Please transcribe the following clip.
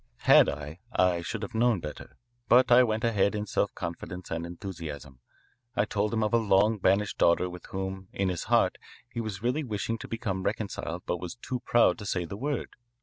Had I, I should have known better. But I went ahead in self confidence and enthusiasm. I told him of a long banished daughter with whom, in his heart, he was really wishing to become reconciled but was too proud to say the word.